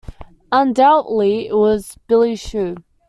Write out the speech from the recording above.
Undoubtedly it was Billy's shoe.